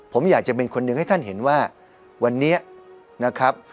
ผมอยากจะเป็นคนหนึ่งให้ท่านเห็นว่าวันนี้นะครับ